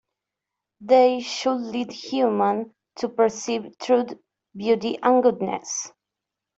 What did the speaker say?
They should lead human to perceive truth, beauty and goodness.